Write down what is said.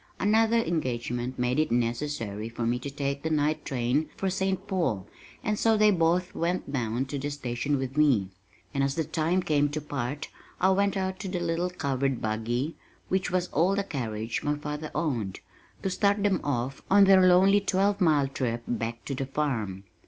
Another engagement made it necessary for me to take the night train for St. Paul and so they both went down to the station with me, and as the time came to part I went out to the little covered buggy (which was all the carriage my father owned) to start them off on their lonely twelve mile trip back to the farm.